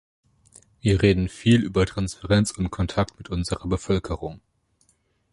Wir reden viel über Transparenz und Kontakt mit unserer Bevölkerung.